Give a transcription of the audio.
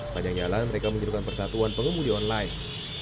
panjang jalan mereka menunjukkan persatuan pengemudi online